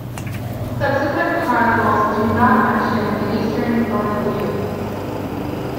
Subsequent chronicles do not mention the Eastern Galindians.